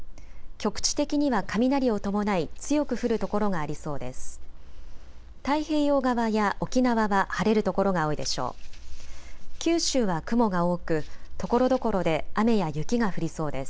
局地的には雷を伴い強く降る所がありそうです。